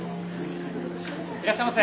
いらっしゃいませ！